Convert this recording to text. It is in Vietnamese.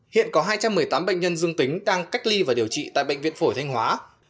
hiện có hai trăm một mươi tám bệnh nhân dương tính đang cách ly và điều trị tại bệnh viện phổi thanh hóa